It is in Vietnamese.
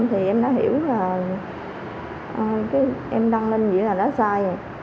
thì em đã hiểu là em đăng lên vậy là đã sai